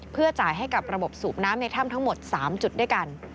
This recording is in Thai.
เพื่อจ่ายให้กับระบบสูบน้ำในถ้ำทั้งหมด๓จุดด้วยกัน